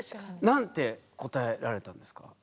何て答えられたんですか？